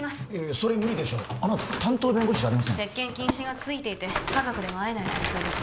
それ無理でしょうあなた担当弁護士じゃありません接見禁止が付いていて家族でも会えない状況です